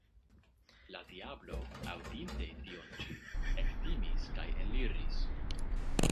La diablo, aŭdinte tion ĉi, ektimis kaj eliris.